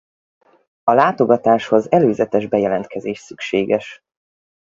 A látogatáshoz előzetes bejelentkezés szükséges!